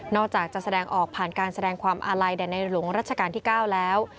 อกจากจะแสดงออกผ่านการแสดงความอาลัยแด่ในหลวงรัชกาลที่๙แล้ว